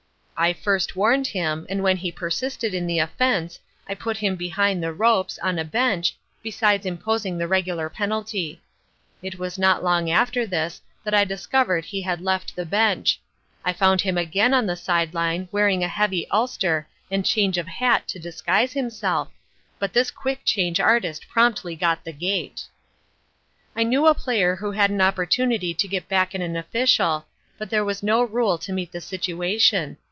I first warned him, and when he persisted in the offense, I put him behind the ropes, on a bench, besides imposing the regular penalty. It was not long after this, that I discovered he had left the bench. I found him again on the side line, wearing a heavy ulster and change of hat to disguise himself, but this quick change artist promptly got the gate. I knew a player who had an opportunity to get back at an official, but there was no rule to meet the situation.